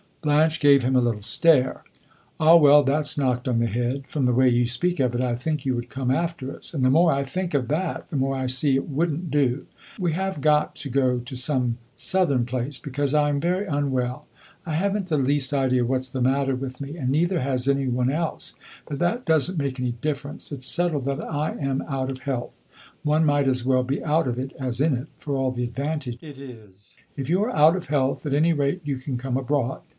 Blanche gave him a little stare. "Ah well, that 's knocked on the head! From the way you speak of it, I think you would come after us; and the more I think of that, the more I see it would n't do. But we have got to go to some southern place, because I am very unwell. I have n't the least idea what 's the matter with me, and neither has any one else; but that does n't make any difference. It 's settled that I am out of health. One might as well be out of it as in it, for all the advantage it is. If you are out of health, at any rate you can come abroad.